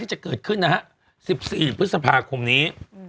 จะเกิดขึ้นนะฮะ๑๔พฤษภาคมนี้